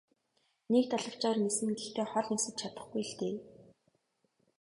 Нэг далавчаар ниснэ гэхдээ хол нисэж чадахгүй л дээ.